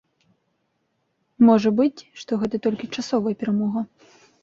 Можа быць, што гэта толькі часовая перамога.